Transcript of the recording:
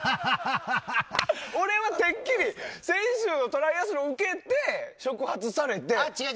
俺はてっきり先週のトライアスロンを受けて違う！